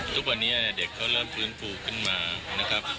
ทุกวันนี้เด็กเขาเริ่มพื้นฟูขึ้นมา